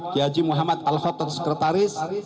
kiai haji muhammad al khotad sekretaris